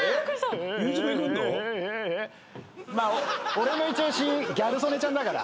俺の一押しギャル曽根ちゃんだから。